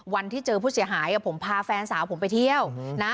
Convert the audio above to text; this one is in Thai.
วันที่เจอผู้เสียหายผมพาแฟนสาวผมไปเที่ยวนะ